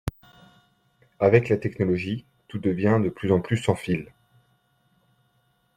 Avec la technologie tout devient de plus en plus sans fil.